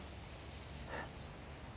えっ。